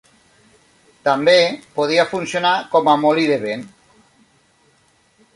També podia funcionar com a molí de vent.